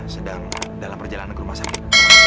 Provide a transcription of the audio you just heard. sedang dalam perjalanan ke rumah sakit